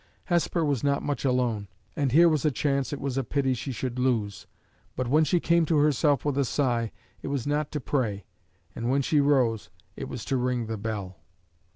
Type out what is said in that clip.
Hesper was not much alone, and here was a chance it was a pity she should lose; but, when she came to herself with a sigh, it was not to pray, and, when she rose, it was to ring the bell.